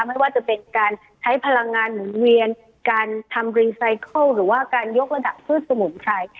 ไม่ว่าจะเป็นการใช้พลังงานเหมือนเวียนการทำหรือว่าการยกระดับพืชสมุมชัย